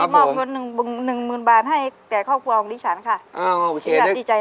ชิคกี้พายมอบหนึ่งหมื่นบาทให้แก่ครอบครัวของดิฉันค่ะ